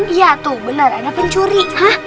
iya tuh benar ada pencuri